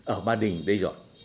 ở ba đình đây rồi